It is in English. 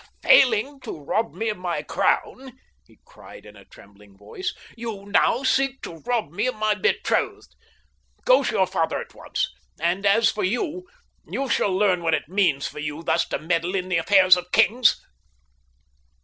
"Failing to rob me of my crown," he cried in a trembling voice, "you now seek to rob me of my betrothed! Go to your father at once, and as for you—you shall learn what it means for you thus to meddle in the affairs of kings."